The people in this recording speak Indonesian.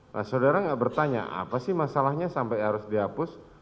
nah saudara nggak bertanya apa sih masalahnya sampai harus dihapus